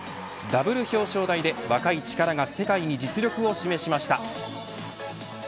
ダブル表彰台で若い力が世界に実力を示しました。